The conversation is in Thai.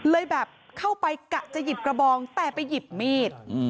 แบบเข้าไปกะจะหยิบกระบองแต่ไปหยิบมีด